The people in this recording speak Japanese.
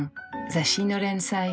雑誌の連載